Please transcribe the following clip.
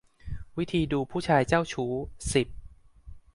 วิธีดูผู้ชายเจ้าชู้ สิบ